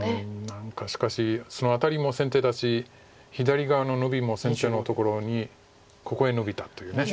何かしかしそのアタリも先手だし左側のノビも先手のところにここへノビたという。